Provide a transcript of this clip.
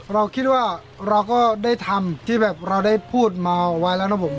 เราคิดว่าเราก็ได้ทำที่แบบเราได้พูดมาไว้แล้วนะผม